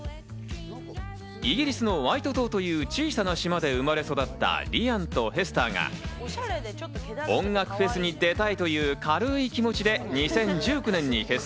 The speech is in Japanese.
イギリスのワイト島という小さな島で生まれ育ったリアンとヘスターが音楽フェスに出たいという軽い気持ちで２０１９年に結成。